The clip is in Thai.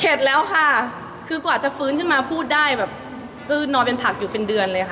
แล้วค่ะคือกว่าจะฟื้นขึ้นมาพูดได้แบบอื้อนอนเป็นผักอยู่เป็นเดือนเลยค่ะ